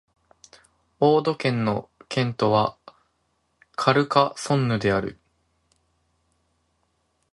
オード県の県都はカルカソンヌである